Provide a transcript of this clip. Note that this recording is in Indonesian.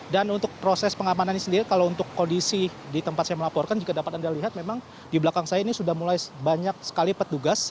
dan untuk proses pengamanan ini sendiri kalau untuk kondisi di tempat saya melaporkan jika dapat anda lihat memang di belakang saya ini sudah mulai banyak sekali petugas